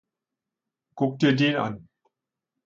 Guck dir den an!